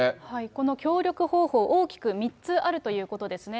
この協力方法、大きく３つあるということですね。